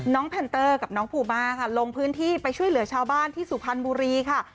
แพนเตอร์กับน้องภูมาค่ะลงพื้นที่ไปช่วยเหลือชาวบ้านที่สุพรรณบุรีค่ะ